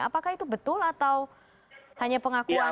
apakah itu betul atau hanya pengakuan